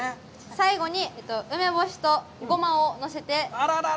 最後に梅干しとゴマをのせて。